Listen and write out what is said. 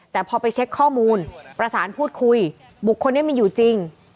แต่พอไปเช็คข้อมูลประสานพูดคุยบุคคลนี้มีอยู่จริง